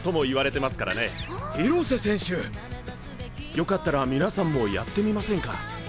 よかったら皆さんもやってみませんか？